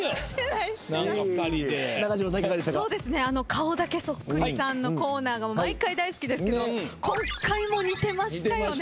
顔だけそっくりさんのコーナーが毎回大好きですけど今回も似てましたよね。